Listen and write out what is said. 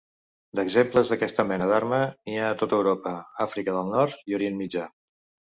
D'exemples d'aquesta mena d'arma n'hi ha a tota Europa, Àfrica del nord, i Orient Mitjà.